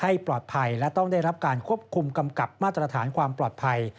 ให้ปลอดภัยและต้องได้รับการควบคุมกำกับมาตรฐานความปลอดภัย